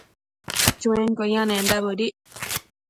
Chuenquio yendac bëdic